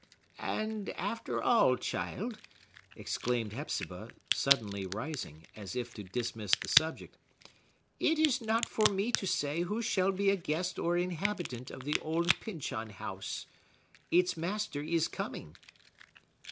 "And, after all, child," exclaimed Hepzibah, suddenly rising, as if to dismiss the subject, "it is not for me to say who shall be a guest or inhabitant of the old Pyncheon House. Its master is coming."